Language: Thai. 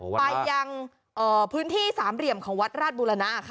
ไปยังพื้นที่สามเหลี่ยมของวัดราชบุรณะค่ะ